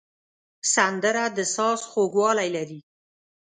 سندره د ساز خوږوالی لري